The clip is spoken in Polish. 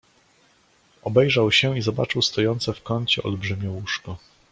"Obejrzał się i zobaczył stojące w kącie olbrzymie łóżko."